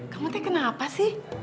kamu tanya kenapa sih